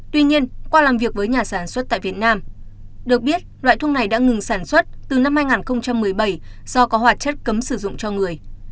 tuy nhiên qua làm việc với nhà sản xuất tại việt nam được biết loại thuốc này đã ngừng sản xuất từ năm hai nghìn một mươi bảy do có hoạt chất cấm sử dụng cho người